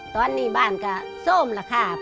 ตอนนี้บ้านก็โซ่มล่ะค่ะ